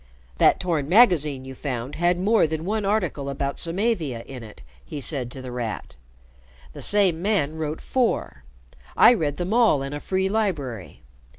"That torn magazine you found had more than one article about Samavia in it," he said to The Rat. "The same man wrote four. I read them all in a free library.